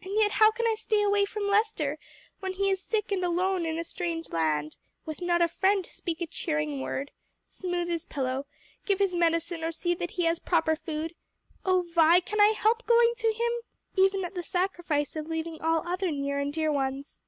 and yet how can I stay away from Lester when he is sick and alone in a strange land, with not a friend to speak a cheering word, smooth his pillow, give his medicine, or see that he has proper food? O Vi, can I help going to him, even at the sacrifice of leaving all other near and dear ones?"